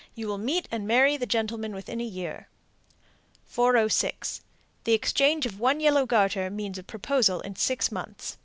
You will meet and marry the gentleman within a year. 406. The exchange of one yellow garter means a proposal in six months.